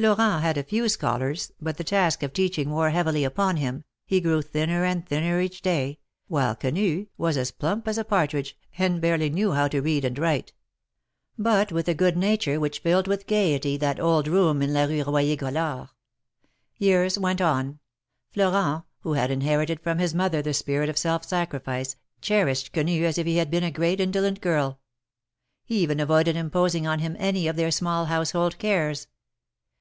Florent had a few scholars, but the task of teaching wore heavily upon him, he grew thinner and thinner each day, while Quenu was as plump as a partridge, and barely knew how to read and write ; but with a good nature which filled with gayety that old room in la Rue Royer Collard. Years went on. Florent, who had inherited from his mothftv the spirit of self sacrifice, cherished Quenu as if he had been a great indolent girl. He even avoided imposing on him any of their small household cares.